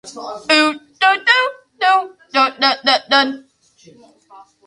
He studied violin and piano at the Leipzig Conservatory.